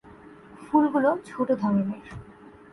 ফুলগুলো ছোট ধরনের।